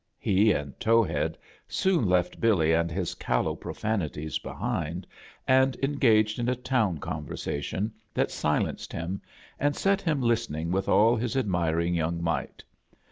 He and Towhead soon left Billy and his callow profanities behind, and en gaged in a tow n conversation that silenced him, and set him listening with all his admiring yoang might.